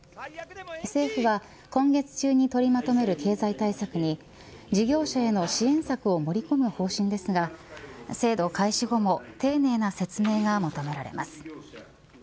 政府は今月中に取りまとめる経済対策に事業者への支援策を盛り込む方針ですが制度開始後も丁寧な説明が求められます。